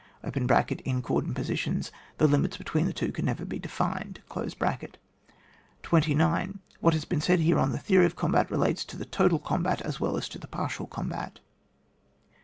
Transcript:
(In cordon positions the limits between the two can never be defined). 29. What has been said here on the theory of combat, relates to the total combat, as well as to the partial combat.